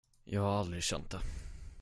Jag har aldrig känt det.